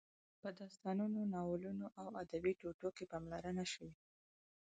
په داستانونو، ناولونو او ادبي ټوټو کې پاملرنه شوې.